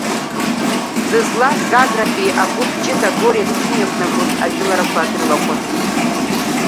Дызлаз Гагратәи агәыԥ ҷыда Горец имҩаԥнагоз ажәыларақә дрылахәын.